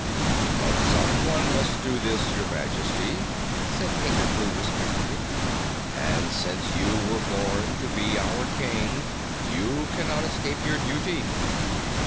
"But someone must do this, Your Majesty," said Pinkerbloo respectfully, "and since you were born to be our King you cannot escape your duty."